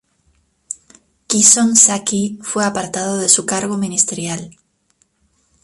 Quaison-Sackey fue apartado de su cargo ministerial.